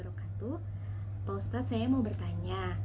pak ustadz saya mau bertanya